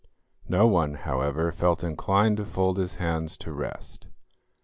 No one, however, felt inclined to fold his hands to rest.